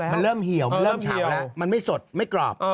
มันเริ่มเหี่ยวมันเริ่มเฉียวแล้วมันไม่สดไม่กรอบ